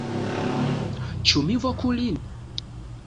Ĉu mi voku lin?